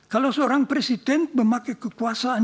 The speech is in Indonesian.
kalau seorang presiden memakai kekuasaan